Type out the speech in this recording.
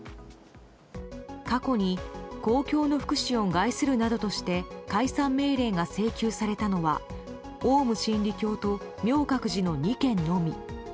過去に公共の福祉を害するなどとして解散命令が請求されたのはオウム真理教と明覚寺の２件のみ。